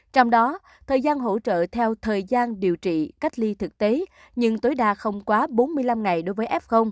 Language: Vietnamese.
trong đó thời gian hỗ trợ theo thời gian điều trị cách ly thực tế nhưng tối đa không quá bốn mươi năm ngày đối với f